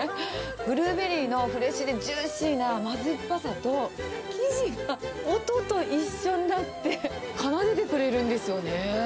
ブルーベリーのフレッシュでジューシーな甘酸っぱさと、生地が音と一緒になって奏でてくれるんですよね。